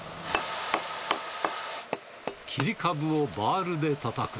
切り株をバールでたたく。